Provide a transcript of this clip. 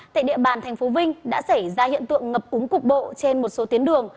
tại địa bàn tp vinh đã xảy ra hiện tượng ngập úng cục bộ trên một số tuyến đường